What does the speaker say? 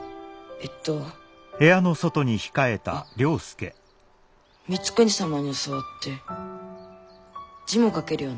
あっ光圀様に教わって字も書けるようになって。